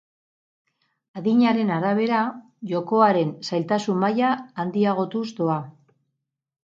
Adinaren arabera, jokoaren zailtasun maila handiagotuz doa.